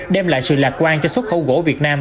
đem lại sự lạc quan cho xuất khẩu gỗ việt nam